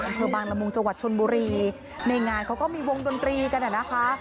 อำเภอบางละมุงจังหวัดชนบุรีในงานเขาก็มีวงดนตรีกันอ่ะนะคะ